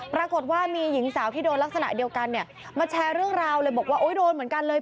ปรากฏว่ามีหญิงสาวที่โดนลักษณะเดียวกันเนี่ยมาแชร์เรื่องราวเลยบอกว่าโอ๊ยโดนเหมือนกันเลย